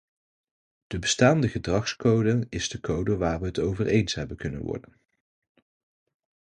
De bestaande gedragscode is de code waar we over eens hebben kunnen worden.